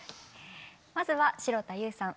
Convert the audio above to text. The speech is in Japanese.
まずは城田優さん